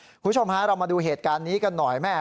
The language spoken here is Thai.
คุณผู้ชมฮะเรามาดูเหตุการณ์นี้กันหน่อยแม่